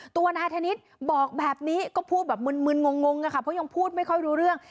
ตัวนายธนิษฐ์บอกแบบนี้ก็พูดแบบมึนงงอะค่ะเพราะยังพูดไม่ค่อยรู้เรื่อง